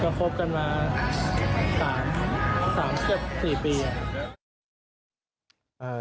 ก็คบกันมา๓๔ปี